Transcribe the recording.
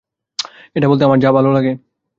এটা বলতে আমার যা ভালো লাগে!